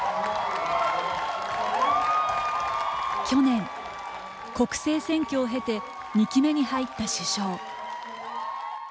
去年、国政選挙を経て２期目に入った首相。